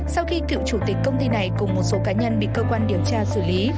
sau khi cựu chủ tịch công ty này cùng một số cá nhân bị cơ quan điều tra xử lý